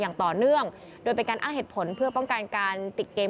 อย่างต่อเนื่องโดยเป็นการอ้างเหตุผลเพื่อป้องกันการติดเกม